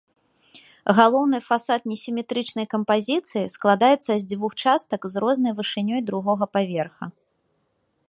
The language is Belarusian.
Галоўны фасад несіметрычнай кампазіцыі, складаецца з двух частак з рознай вышынёй другога паверха.